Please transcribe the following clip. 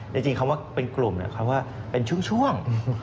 จริงคำว่าเป็นกลุ่มคำว่าเป็นช่วง